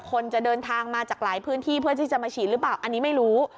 คนจะเดินทางมาจากหลายพื้นที่เพื่อที่จะมาฉีดหรือเปล่าอันนี้ไม่รู้